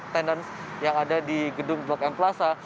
tenan yang ada di gedung blok m plaza